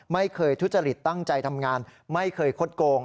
ทุจริตตั้งใจทำงานไม่เคยคดโกง